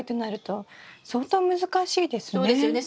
そうですよね。